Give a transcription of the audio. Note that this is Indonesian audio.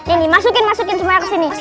ini masukin semua kesini